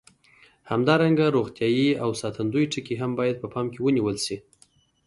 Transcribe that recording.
همدارنګه روغتیایي او ساتندوي ټکي هم باید په پام کې ونیول شي.